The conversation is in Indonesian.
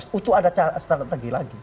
itu ada strategi lagi